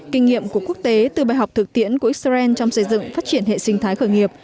kinh nghiệm của quốc tế từ bài học thực tiễn của israel trong xây dựng phát triển hệ sinh thái khởi nghiệp